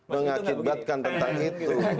mengakibatkan tentang itu